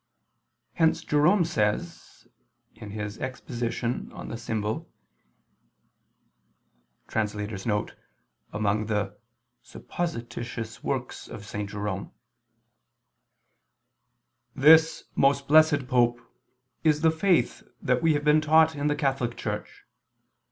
Hence Jerome says (Exposit. Symbol [*Among the supposititious works of St. Jerome]): "This, most blessed Pope, is the faith that we have been taught in the Catholic Church.